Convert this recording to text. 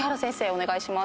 お願いします。